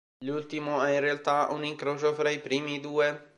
L'ultimo è in realtà un incrocio fra i primi due.